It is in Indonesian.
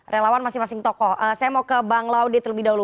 relawan masing masing tokoh saya mau ke bang laude terlebih dahulu